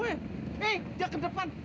eh dia ke depan